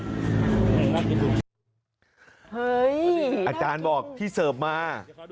อาจารย์บอกที่เสิร์ฟมา